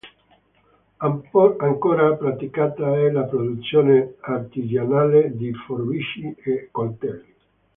Ancora praticata è la produzione artigianale di forbici e coltelli.